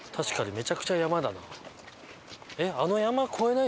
めちゃくちゃ山だな。